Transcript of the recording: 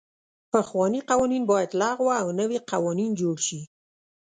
پخواني قوانین باید لغوه او نوي قوانین جوړ سي.